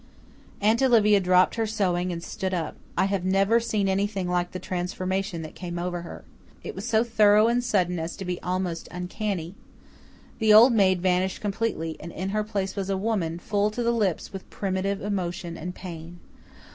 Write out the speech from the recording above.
Aunt Olivia dropped her sewing and stood up. I have never seen anything like the transformation that came over her. It was so thorough and sudden as to be almost uncanny. The old maid vanished completely, and in her place was a woman, full to the lips with primitive emotion and pain.